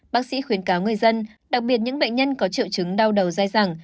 bác sĩ khuyến cáo người dân đặc biệt những bệnh nhân có triệu chứng đau đầu dai dẳng